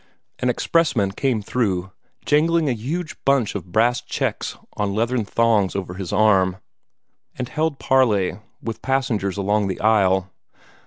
An expressman came through, jangling a huge bunch of brass checks on leathern thongs over his arm, and held parley with passengers along the aisle.